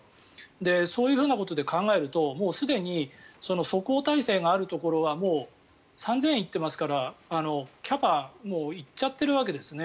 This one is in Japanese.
そういうことで考えるとすでに即応態勢があるところは３０００行ってますからキャパ、もう行っちゃっているわけですよね。